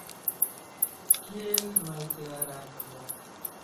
Kiel malklara akvo.